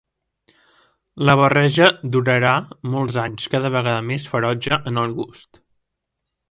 La barreja durarà molts anys cada vegada més ferotge en el gust.